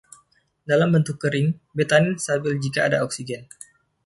Dalam bentuk kering, betanin stabil jika ada oksigen.